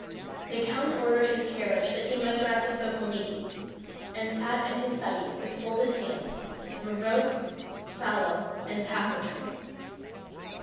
The count ordered his carriage that he might drive to Sokólniki, and sat in his study with folded hands, morose, sallow, and taciturn.